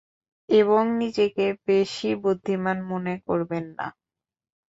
এবং নিজেকে বেশি বুদ্ধিমান মনে করবেন না।